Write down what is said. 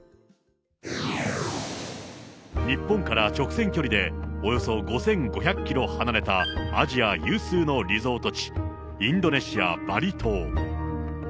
日本から直線距離でおよそ５５００キロ離れたアジア有数のリゾート地、インドネシア・バリ島。